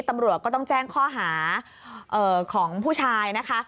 ตำรวจก็ต้องแจ้งข้อหาของผู้ชายนะคะ